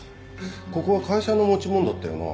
ここは会社の持ち物だったよな？